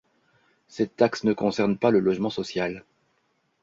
Cette taxe ne concerne pas le logement social.